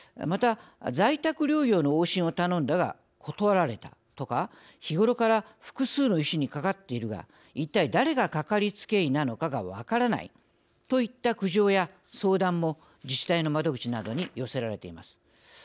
また在宅療養の往診を頼んだが断られたとか日頃から複数の医師にかかっているが一体誰がかかりつけ医なのかが分からないといった苦情や相談も自治体の窓口などに寄せられています。